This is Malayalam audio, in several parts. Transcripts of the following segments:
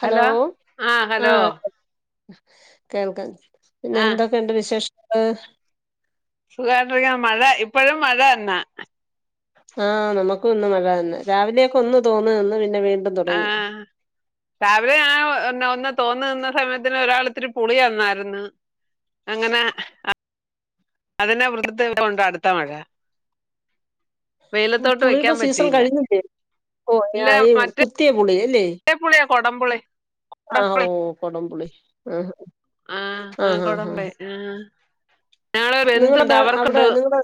ഹലോ ആഹ് കേൾക്കാം പിന്നെ ആഹ് എന്തൊക്കെയുണ്ട് വിശേഷങ്ങൾ സുഖാണ്ടരിക്ക മഴ ഇപ്പഴും മഴ എന്നാ ആ നമുക്ക് ഇന്ന് മഴ തന്നെ രാവിലെയൊക്കെ ഒന്ന് തോന്ന്ന്ന് ആഹ രാവില ആ ഒ തോന്ന നിന്ന സമയത്തിന് ഒരാൾ ഇത്തിരി പുളിന്നാ [inaudible] യിരുന്നു അങ്ങനെ അതിനെ വൃത്ത കോണ്ട അടുത്ത മഴ ഉം, വെയിലത്തോട്ട് വെക്കാൻ പുളിയുടെ സീസൺ പറ്റിയില്ല കഴിഞ്ഞില്ലേ ഓ ഇല്ല ഞാ ഈ മറ്റേ കുത്തിയ പുളി കൊടമ്പുളി ആ ഓ കൊടംമ്പുളി ആഹ ആ ആ കൊടമ്പെ ആഹ നിങ്ങളുടെതാ അവിടെ നിങ്ങടെ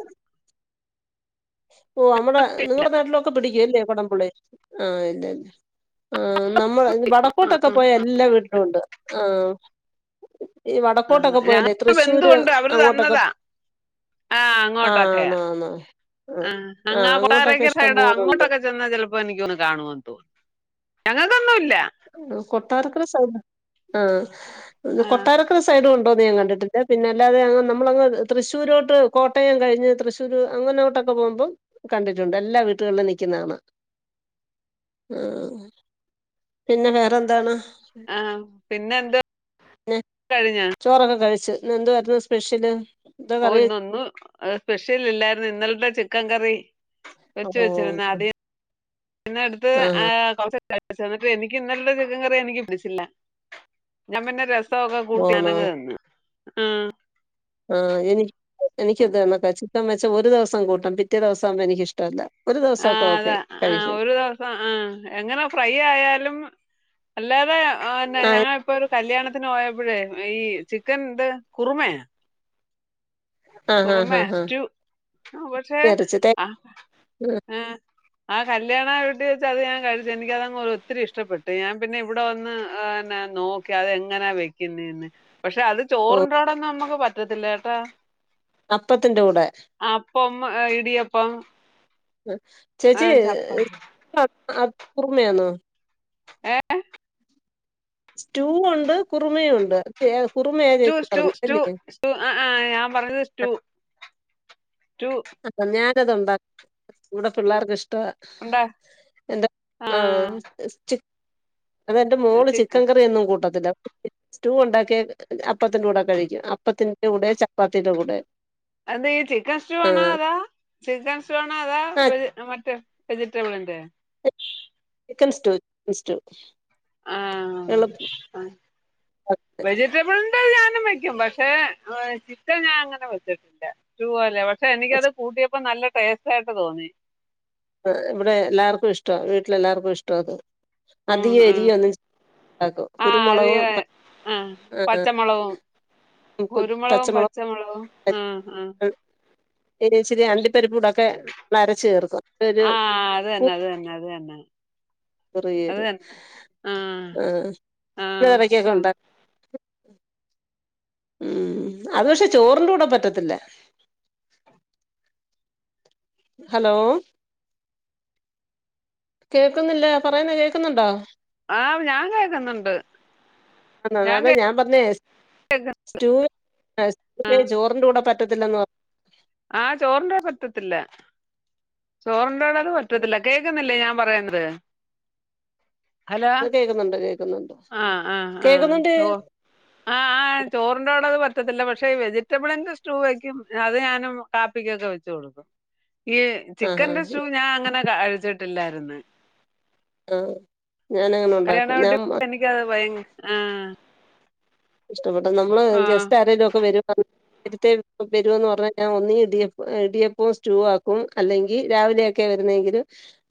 ഓ അമ്മടെ നിങ്ങളടെ നാട്ടിലൊക്കെ പിടിക്കല്ലേ കുടംപുള്ളി ആഹ് ഇല്ലല്ല ആ നമ്മൾ വടക്കോട്ടൊക്കെ പോയ എല്ലാ വീട്ടിലുംുണ്ട് ആ ആ ഞ എന്ത് തൃശ്ശൂര് കൊൊണ്ട് അവര് അങ്ങോട്ടൊക്കെ തന്നതാ ആ ആഹ് അങ്ങോട്ടൊക്കെയ ആന്ന് ആന്ന് ആഹ് ആ ആഹ് അങ്ങാ അങ്ങോട്ടൊക്കെ [inaudible] ഇഷ്ടം സൈഡോ പോലുണ്ട് അങ്ങോട്ടൊക്കെ ചെന്നാ ചിലപ്പോ എനക്ക്ൊന്ന് കാണുവാൻ തോന്നും ഞങ്ങൾ കൊന്നുഇൽ കൊട്ടാരക്കര സൈഡ് ആ ആഹ് കൊട്ടാരക്കര സൈഡും ഉണ്ട് പോകുന്നെ ഞൻ കണ്ടിട്ടില്ല പിന്നല്ലാതെ ഞൻ അല്ലാതെ നമ്മളങ് തൃശൂരോട്ട് കോട്ടയം കഴിഞ്ഞ് തൃശൂർ അങ്ങനോട്ടൊ പോകുമ്പോ കണ്ടിട്ടുണ്ട് എല്ലാ വീട്ടുകളിലും നിക്കുന്നതാണ് അ ആ പിന്നെ വേറെന്താണ് ആഹ് പിന്നെ എന്ത് പിന്നെ കഴിഞ്ഞ ചോറൊക്കെ കഴിച്ച് ഇന്ന്ന്തായിരുന്നു സ്പെഷ്യല് എന്താ ഓ കറി ഇന്നൊന്നും സ്പെഷ്യൽ ഇല്ലായിരുന്നു ഇന്നലത്തെ ചിക്കൻ കറി കുറച്ച് വെച്ചിരുന്ന ഓഹ് അടി പിന്ന അടുത്ത് ആഹ് കൊറച്ച് എന്നിട്ട് എനിക്ക് ഇന്നത്തെ ചിക്കൻ കറി എനിക്ക് പിടിച്ചില്ല ഞാൻ പിന്നെ രസ പുസക്കെ പോണോ കൂട്ടിഞനങ് തന്ന് ആ ആ എനിക്ക് എനിക്ക് ഇത്ന്നൊക്കെ ചിക്കൻ വെച്ച ഒരു ദിവസം കൂട്ടം പിറ്റ ദിവസം ആകുമ്പോ എനക്ക്ിഷ്ടവല്ല ആ അതാ ആ ഒരു ദിവസം ആഹ എങ്ങനെ ഫ്രൈ ആയാലും അല്ലാതെ ആഹ് ഞങ്ങിപ്പോൊ ഒരു കല്യാണത്തിന് പോയ അപ്പയെ ഈ ചിക്കൻ എന്ത് കുറുമയാ ആഹ് ആഹ് കുറമേ ആഹ് ആഹ് സ്റ്റു പക്ഷെ ഇറച്ചി തേ ആ ഏ ആ കല്യാണ വീട്ടി വെച്ച് അത് ഞാൻ കഴിച്ചു എനിക്കതങ് ഒത്തിരി ഇഷ്ടപ്പെട്ട് ഞാൻ പിന്നെ ഇവിടെ വന്ന് ്ന്നെ നോക്കി അത്െങ്ങനാ വെക്കുന്നെന്ന് പക്ഷെ അത് ഓഹ് ചോറിറോടൊന്നും നമ്മുക്ക് പറ്റത്തില്ലേട്ടാ അപ്പത്തിന്റെ കൂടെ പമ്മ് ഇടിയപ്പം ആ, ചേച്ചി ചപ്പാത്തി [unintelligible] പുർമയാന്നോ ഏ സ്റ്റൂ ഉണ്ട് കുറുമയ ഉണ്ട് കുറുമയാ സ്റ്റു ചേച്ചി സ്റ്റു പറഞ്ഞതല്ലേ സ്റ്റു ആ ആ ഞാൻ പറഞ്ഞത് സ്റ്റു സ്റ്റു അത ഞാനത്ണ്ടാക്ക ഇവിടെ പിള്ളേർക്ക ഇഷ്ടം ഉണ്ടാ ഇപ്പ എന്താ ആ അതെന്റെ മോള് ചിക്കൻ കറി ഒന്നും കൂട്ടത്തില്ല സ്റ്റൂ ഉണ്ടാക്കിയ അപ്പത്തിന്റെ കൂടെ കഴിക്കും അപ്പത്തിന്റെ കൂടെ ചപ്പാത്തിറെ കൂടെ അത് ഈ ചിക്കൻ സ്റ്റോ ആണോ ആഹ് അതാ ചിക്കൻ സ്റ്റോ ആണോ ആഹ് അതാെജ മറ്റ വെജിറ്റബിൾ ഉണ്ട്. ചിക്കൻ സ്റ്റോവ ച സ്റ്റോ ആഹ വെജിറ്റബിൾ ഉന്തഞ വെക്കും പക്ഷെ ചിക്കൻ ഞാൻങ്ങനെ വെച്ചിട്ടില്ല പക്ഷെ എനിക്കത് കൂട്ടിയ ഇപ്പൊ നല്ല ടേസ്റ്റ് ആയിട്ട് തോന്നി ഇവിടെ എല്ലാർക്കും ഇഷ്ടോ വീട്ടിലെല്ലാർക്കും ഇഷ്ടം അത് ഉം, അധിക ഉം. എരി ഒന്നും ആക്കും ആ അത് കുരുമുളകും ഞാൻ- ആഹ കുരുമുളകവും പച്ചമുളവും പച്ചമുളകും ആഹ ആഹ ഇച്ചിരി അണ്ടിപ്പരിപ്പൂടൊക്കെ നരച്ച കേീർക്കും ആഹ അത് തന്നെ അത് തന്നെ അത് തന്നെ അത് കുറിയത് തന്നെ ആ ആ ആഹ ഇടക്കൊക്കെ ആ. ഉണ്ട [inaudible] [inaudible] ഉം അത് പക്ഷെ ചോറിന്റെ കൂടെ പറ്റത്തില്ല ഹലോ കേൾക്കുന്നില്ല പറയുന്നേ കേൾക്കുന്നുണ്ടോ ആ് ഞാൻ കേക്കുന്നുണ്ട് ആ അതെ ഞാൻ പറഞ്ഞേ സ്റ്റൂ സ്റ്റ ചോറിന്റെറെ കൂടെ പറ്റ പട്ടത്തില്ലങ്ങ ആഹ ചോറിറ പറ്റത്തില്ല ചോറിന്റെ അത് പറ്റത്തില്ല കേൾക്കുന്നില്ലേ ഞാൻ പറയത് ഒന്ന് കേൾക്കുന്നുണ്ട് കേൾക്കുന്നുണ്ട് ആഹ ആഹ് കേൾക്കുന്നുണ്ട് ആഹ് ആ ആ ചോറിൻന്റെോട അത് പറ്റത്തില്ല പക്ഷ പക്ഷേ വെജിറ്റബിളിന്റെ സ്റ്റൂവ വക്കും അത് ഞാനും കാപ്പിക്കൊക്കെ വെച്ചു കൊടുക്കും ഈ ആഹാ ചിക്കന്റെ ഷൂ ഞാൻ അങ്ങനെ അഴിച്ചിട്ടില്ലായിരുന്നു ആഹ ഞാന അങ്ങനെ ഉണ്ടാക്കും വീട്ടി ഞാൻ എനിക്കത് ഭയങ്ക ആഹ് ഇഷ്ടപ്പെട്ടത് നമ്മള് ജസ്റ്റ് ആരെങ്കലും ഒക്കെ വരുവാ പരുന്ന് പറഞ്ഞാൽ ഞാൻ ഒന്ന ഇട ഇടിയപ്പവും സ്റ്റൂ ആക്കും അല്ലെങ്കിൽ രാവിലെ വരുന്നെങ്കിൽ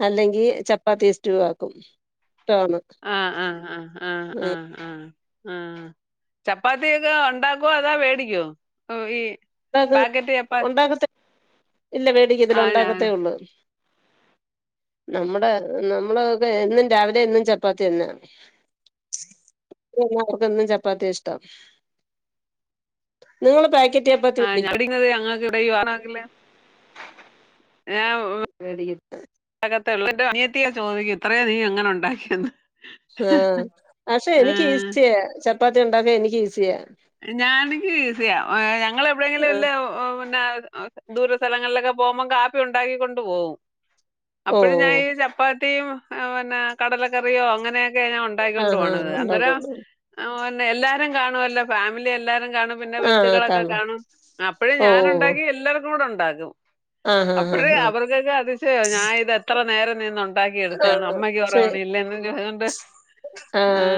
അല്ലെങ്കിൽ ചപ്പാത്തിസ്റ്റു വാക്കും ആഹ് ആഹ് ആഹ് ആഹ് ആഹ് ആഹ് ആ ചപ്പാത്തിയൊക്കെ ഉണ്ടാക്കോ അതാ മേടിക്കോ ഈ പാക്കറ്റ് ചപ്പാ ഉണ്ടാക്കത്ത ഇല്ല പേടിക്ക് ഇതില ആഹ് ഞാൻ ഉണ്ടാക്കത്തേ ഉള്ളൂ [inaudible] നമ്മുടെ നമ്മളൊക്കെ എന്നും രാവിലെ എന്നും ചപ്പാത്തി എന്നന്നാ അവർക്കൊന്നും ചപ്പാത്തിയ ഇഷ്ടം നിങ്ങള് പാക്കറ്റ് ആഹ് ചപ്പാത്തി ഞാടങ്ങുന്നത് അങ്ങൾക്ക് ഇടെ വറകില്ലേ വട [inaudible] അനിയത്തിയ ചോദിക്ക് ഇത്രയേ നീ എങ്ങനെ ഉണ്ടാക്കിയന്ന്? ആഹ പക്ഷെ എനിക്ക് ഈസിയ ചപ്പാത്തി ഉണ്ടാക്കാ എനിക്ക് ഈസിയാ ഞാനക്ക് ഈസിയ ഞങ്ങൾ എവിടെയെങ്കിലും ആഹ് വല്ല പിന്നെ ദൂര സ്ഥലങ്ങളിലൊക്കെ പോകുമ്പോം കാപ്പി ഉണ്ടാക്കിക്കൊണ്ട് പോകും ഓ അപ്പോഴും ഞാൻ ഈ ചപ്പാത്തി കടലറിയോ അങ്ങനെയൊക്കെ ഞാൻ ഉണ്ടാക്കൊണ്ട് ആഹ് ആഹ് പോണത് ഉണ്ടാക്കും അന്നേരം ഉണ്ടാക്കും എല്ലാരും കാണുവല്ലോ ഫാമിലി എല്ലാരും കാണും പിന്നെ ബന്ധുക്കളൊക്കെ കാണും അപ്പോഴും ഓ! ഞാനുണ്ടാക്കി എല്ലാവർക്കും കൂടെ ഉണ്ടാകും ആഹ്, ആഹ്, അപ്പഴ ആഹ്, ആഹ്. അവർക്കൊക്കെ അതിശയ ഞാൻ ഇത് എത്ര നേരം നിന്നുണ്ട് ഉണ്ടാക്കി എടുത്താണ് ആഹ്. അമ്മയ്ക്ക് കുറവണ ഇല്ല എന്നും കൊണ്ട് ആഹ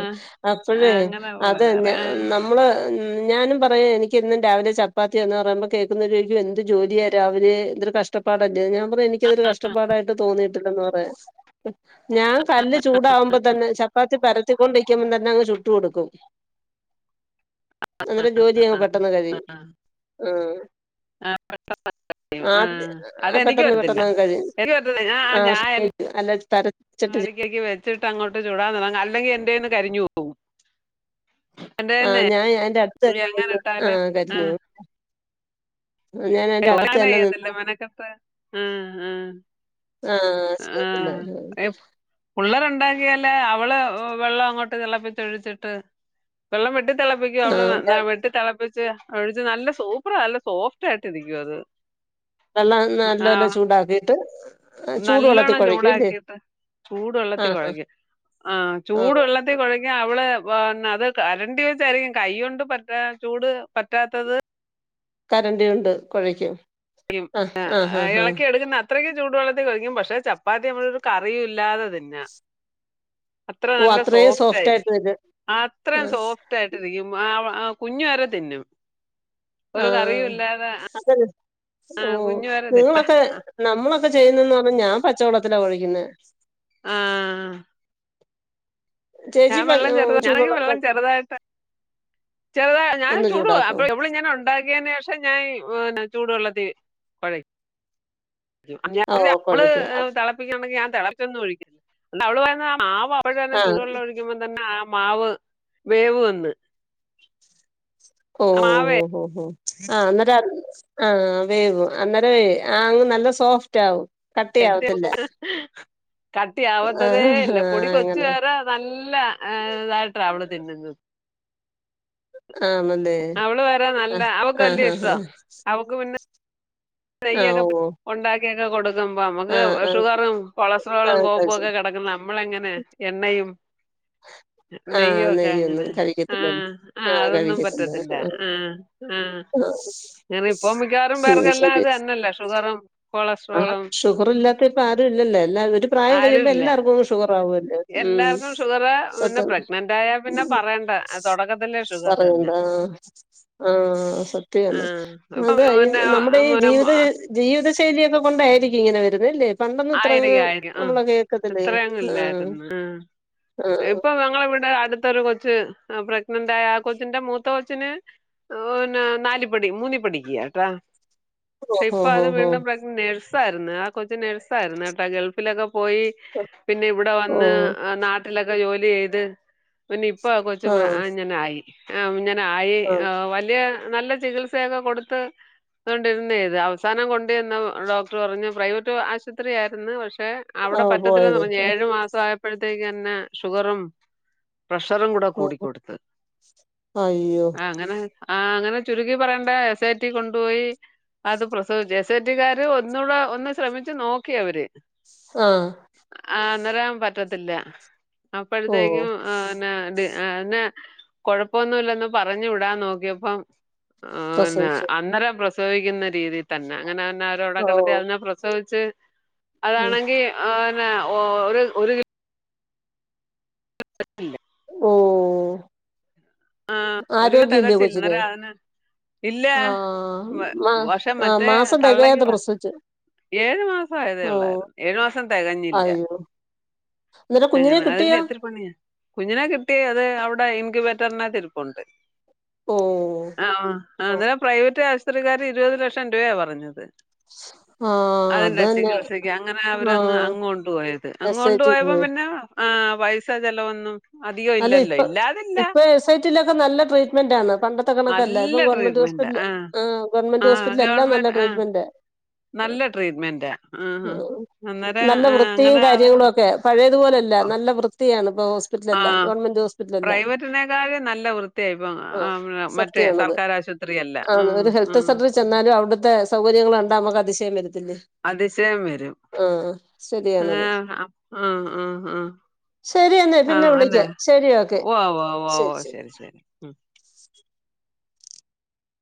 അപ്പോഴേ അങ്ങനെ അത് ഉള്ളതാറ് ഞാൻ ആ നമ്മള് ഉ ഞാനും പറയാ എനിക്കിന്നും രാവിലെ ചപ്പാത്തിയന്ന് പറയുമ്പോ കേൾക്കുന്നിക്കും എന്ത് ജോലിയ രാവിലെ കഷ്ടപ്പാട ഞാൻ പറഞ്ഞ എനിക്കതരു കഷ്ടപ്പാടായിട്ട് തോന്നിയിട്ടില്ലന്ന് പറയാ ഞാൻ കല് ചൂടാവുമ്പോ തന്നെ ചപ്പാത്തി പരത്തിക്കൊണ്ടിക്കുമ്പോ തന്നെ ചുട്ട കൊടുക്കും അന്നേരം ജോലി പെട്ടെന്ന് ആ കഴിയും ആ, ആ ആഹ് അതെനിക്ക് പെട്ടെന്ന് വരത്തില്ല പെട്ടെന്ന് കഴിയും എനിക്ക് ആഹ് അല്ല തര ആടിക്കൊക്കെ വെച്ചിട്ട് അങ്ങോട്ട് ചൂടാറിങ്ങ് അല്ലെങ്കി എന്റെന്ന് കരിഞ്ഞു പോവും എന്റെ ആഹ് തന്നെ ഞാൻ അയിന്റെ അടുത്ത് തന്നെ എങ്ങനെ നിന്ന് ഇട്ടാലും കരിഞ്ഞു ആഹ് ഞാൻ എന്റെ അടുത്ത് തന്നെ [unintelligible] തല്ല നിന്ന് മനക്കത്ത് ആഹ് ആഹ് ആഹ് ശെരിന്നാ പിള്ളേരുണ്ടാക്കിയാലേ അവള് വെള്ളം അങ്ങോട്ട് തെള്പ്പിച്ചൊഴിച്ചിട്ട് വെള്ളം വെട്ടി തിളപ്പിക്കും ആഹ് അവള് വെട്ടി തിളപ്പിച്ച് ഒഴിച്ച് നല്ല സൂപ്പറ നല്ല സോഫ്റ്റായിട്ട് രിക്കും അത് വെള്ളം ആ നല്ലോലം ചൂടാക്കിട്ട് ചൂട് വെള്ളത്തി കുഴയ്ക്കുംല്ലേ ചൂട് വെള്ളത്തിൽ കുഴക്കും ആഹ് ചൂടുവെള്ളത്തിൽ കുഴക്കാൻ അവള് വന്ന അത് കരണ്ടി വെച്ചായിരിക്കും കൈ കൊണ്ട് പറ്റാ ചൂട് പറ്റാത്തത് കരണ്ടി കൊണ്ട് കുഴയ്ക്കും ആഹ് ഇളക്കി എടുക്കുന്ന അത്രക്ക് ചൂട് വെള്ളത്തിൽ കൊഴക്കും പക്ഷെ ചപ്പാത്തി നമ്മളൊരു കറിയും ഇല്ലാതെ തിന്നാം അത്ര ഓ നല്ല അത്രയും സോഫ്റ്റ് ആയിട്ട് സോഫ്റ്റായിരിക്കും വരും അത്രയും ആഹ് സോഫ്റ്റായിട്ടിരിക്കും ആഹ് ആഹ് കുഞ്ഞു വെരെ തിന്നും. ഒരു കറിയും ആഹ് ഇല്ലാതെ അതെന്നെ ആ, ഓഹ് കുഞ്ഞു വരെ തിന്നും നിങ്ങളൊക്കെ ആ, നമ്മളൊ ക്കെ ചെയ്യുന്നന്ന് പർഞ്ഞ ഞാ പച്ചവെള്ളത്തിലാ കൊഴക്ക്ന്നെ. ആ. ചേച്ചി ഞാൻ പ വെള്ളം ചെറ്താ ഞാൻ ചൂടുവെള്ള വെള്ളം ചെറ്തായിട്ട് ചെറ്താ ഞാൻ ഒന്ന് ചൂടു ചൂടാക്കും അപ്പ ഇവളിങ്ങനെ ഉണ്ടാക്ക്യേനേഷം ഇപ്പൊ ഞായ് പിന്നെ ചൂടുവെള്ളത്തി കൊഴക്കും. ഓ [unintelligible] അവള് കുഴയ്ക്കും ഏഹ് തെളപ്പിക്കുണ്ടെങ്കി ഞാ തെള [unintelligible] ഒഴിക്കും. അവള് [unintelligible] ആ [unintelligible] ആഹ് ചൂടെള്ളൊഴിക്കും. അപ്പതന്നെ ആ മാവ് വേവ് വന്ന്. ആ മാവ് ഓഹ് ഹോ ഹോ ആഹ് ന്നട്ട് ആഹ് വേവും അന്നേരെയ് ആങ്ങ് നല്ല സോഫ്റ്റാവും. കട്ടി ആവത്തില്ല. കട്ടിയവത്തതേ ഇല്ല പൊടി കൊച്ചു അങ്ങനെ വെരെ നല്ല ഏഹ് തായിട്ട അവള് തിന്നുന്നത്. ആണല്ലേ അവള് വെരെ ആ നല്ല അവക്ക് ആ ആ വല്യഷ്ട ആ അവക്ക് പിന്നെ ആ നെയ്യൊക്കെ പെ ഓ ഉണ്ടാക്ക്യൊക്കെ കൊടുക്കും. താവുമ്പം അമ്മക്ക് ആ ആ ഷുഗറും ആ കൊളസ്ട്രോളും കോപ്പൊ കഴിച്ച് ക്കെ കെടക്കുന്ന അമ്മളെങ്ങനെ എണ്ണയും ആ നെയ്യൊക്കെ നെയ്യൊന്നും അങ്ങനെ കഴിക്കത്തില്ലല്ലോ ആഹ് ആ ആഹ് അതൊന്നും കഴിക്കത്തില്ല പറ്റത്തില്ല. ആ ആ ആഹ് ആഹ് ഇങ്ങനെ ഇപ്പം മിക്കവാറും പേർക്കെല്ലാം തെന്നല്ലേ ഷുഗറും ആഹ് കൊളസ്ട്രോളും ഷുഗറില്ലാത്തെപ്പാരുലല്ലോ എല്ലാ ഒരു പ്രായം കഴിയുമ്പോ ആരുമില്ല എല്ലാർക്കും ഷുഗർ ണ്ടാവോല്ലോ ഉം എല്ലാവർക്കും ഷുഗറ് പിന്നെ പ്രഗ്നന്റ് ആയാൽ പിന്നെ [unintelligible] ഉം പറയണ്ട തുടക്കത്തിലേ ഷുഗർ [unintelligible] തന്നെ എന്താ? ആഹ് സത്യാണ് ആഹ് ഇപ്പൊ അതെ ഇ പിന്നെ നമ്മടെ ഈ ജീവിത പിന്നെ ജീവിത ശൈല്യൊക്കെ കൊണ്ടായിരിക്കും ഇങ്ങനെ വെരുന്നേ ലേ പണ്ടൊന്നും ഇത്രയങ്ങ് ആയിരിക്കും ആയിരിക്കും ആഹ് നമ്മള് കേക്കത്തില്ലേനു ഇത്രയങ്ങും ആഹ്. ഇല്ലായിരുന്നു ആഹ് ഇപ്പൊ ഞങ്ങളിവിടെ അടുത്തൊരു കൊച്ച് പ്രഗ്നന്റ് ആയ ആ കൊച്ചിന്റെ മൂത്ത കൊച്ചിന് ഓ പിന്ന നാലി പഠി മൂന്നി പഠിക്ക്യാട്ടാ പക്ഷെ ഓഹ് ഇപ്പൊ അത് ഓഹ് വീണ്ടും ഓഹ് പ്രെഗ്ന നേഴ്സ് പ്പാരുന്നു ആ കൊച്ച് നേഴ്സാരുന്നു കേട്ടാ ഗൾഫിലൊക്കെ പോയി പിന്നെ ഇവിടെ ഓഹ് വന്ന് ഓഹ് നാട്ടിലൊക്കെ ജോലി ചെയ്ത് പിന്നെ ഇപ്പൊ കൊച്ചു പ്ര ആഹ് ഇങ്ങനെ ആയി ഇങ്ങനെ ആയി ആഹ് വലിയ നല്ല ചികിത്സയൊക്കെ കൊടുത്ത് അതുകൊണ്ടിരുന്നേ ഇത് അവസാനം കൊണ്ട്ന്ന് ഡോക്ടർ പറഞ്ഞഞ് പ്രൈവറ്റ് ആശ് ശുത്രിയാരുന്നു പക്ഷെ അവിടെ ആഹ് പറ്റത്തില്ലന്ന് പോയത് പറഞ്ഞു ഏഴു മാസം ആയപ്പോഴത്തേക്ക ന്നെ ഷുഗറും പ്രഷറും കൂടെ ഓഹ് കൂടിക്കൊടുത്ത് അയ്യോ ആ അങ്ങനെ ആ അങ്ങനെ ചുരുകി പറയേണ്ട എസ് ഐ ടി കൊണ്ടുപോയി അത് പ്രസവിച്ച ജെശേറ്റിക്കാര് ഒന്നുകൂടെ ഒന്ന് ശ്രമിച്ചു നോക്കി അവര് ആഹ് വരാൻ പറ്റത്തില്ല ഓഹ് അപ്പോഴത്തേക്കുംന്ന ആ അ കൊഴപ്പൊന്നുംല്ലെന്ന് പറഞ്ഞു വിടാൻ നോക്കിയപ്പം ന്ന പ്രസവിച്ചു അന്നേരം പ്രസവിക്കുന്ന രീതി തന്നെ അങ്ങനെ തന്നെ അവരവിടെ ഓഹ് കിടത്തി അതിനെ പ്രസവി ച്ച് ഉം അതാണെങ്കി അന്നെ ഒര് [unintelligible] ഓ ആഹ് ഒരുകെ തകച്ചില്ലന്നരാന ഇല്ല ആഹ് വ മാ വഷം ആഹ് മറ്റേ മാസം തള്ളകി തികയാതെ പ്രസവിച്ചു ഏഴു മാസം ആയതേ ഓഹ് ഉള്ളായിരുന്നു ഏഴു മാസം തികഞ്ഞില്ല അയ്യോ എന്നിട്ട് കുഞ്ഞിനെ എങ്ങനെ അതി കിട്ടിയോ എത്തിരി പണിയാ കുഞ്ഞിനെ കിട്ടി അത് അവിടെ എനിക്ക് പ്പുണ്ട് ഓഹ് ആ പ്രൈവറ്റ് ആ ശുത്രികാര് ഇരുപത് ലക്ഷം രൂപയ പറഞ്ഞത് ആഹ് അതിന്റെ അതന്നെ ചികിത്സക്ക് അങ്ങനെ അവര്ങ്ങ് ആഹ് അങ്ങോണ്ട് പോയത് എസ് ഐ അങ്ങൊണ്ട് ടി പോയപ്പോം പോയി പിന്നെ ആഹ് പൈസ ചെലവൊന്നും അധികോ ഇല്ലല്ലോ ഇല്ലാതില്ല സൊസറ്റയിലൊക്കെ നല്ല ട്രീറ്റ്മെന്റാണ് പണ്ടെത്തെ കണക്കല്ല ഇപ്പ നല്ല ഗവൺമെന്റ് ട്രീറ്റ്മെന്റാ. ഹോസിപിറ്റൽ ആഹ് ആ ഗവമെന്റ് ആഹ് ഹോസ്പിറ്റൽ എല്ലാം നല്ല ഗവൺമെന്റ് ആഹ് ട്രീറ്റ്മെന്റ് നല്ല ട്രീറ്റ്മെന്റാ. ആഹ് അന്നേരം നല്ല ആഹ് വൃത്തിയും അങ്ങനെ അത് കാര്യങ്ങളും ഒക്കെ പഴയ തുപോലെയല്ല നല്ല വൃത്തിയാണ് ഇപ്പോൾ ഹോസ്പിറ്റലില് പ്രൈവറ്റിനേക്കാളും നല്ല വൃത്തിയായി ഇപ്പ മറ്റേ സർക്കർ ആശുപത്രിയല്ല ആ ഉം ഒരു ഹെൽത്ത് ഉം സെന്റർ ചെന്നാലും അവിടുത്തെ സൗകര്യ ങ്ങൾ കണ്ടാ നമക്ക് അതിശയം അതിശയം വരും. ആഹ് ആഹ് ശരിയാണത് ആഹ് ആഹ് ആഹ് ശരിയെന്നെ പിന്നെ ആഹ് അങ്ങനെ. വിളിക്ക ശരി ക്കെ ഉവ്വ് ഉവ്വ് ഉവ്വ് ശരി ഉവ്വ് ശരി